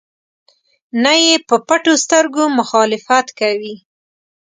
نه یې په پټو سترګو مخالفت کوي.